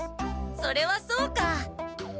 それはそうか。